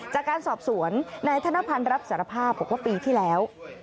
จากการสอบสวนนายธนพันธ์รับสารภาพบอกว่าปีที่แล้ว